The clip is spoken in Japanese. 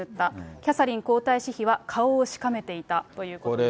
キャサリン皇太子妃は顔をしかめていたということです。